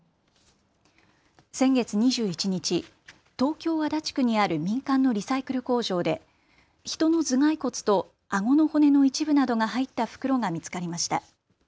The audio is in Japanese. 先月２１日、東京足立区にある民間のリサイクル工場で人の頭蓋骨とあごの骨の一部などが入った袋が見つかりました。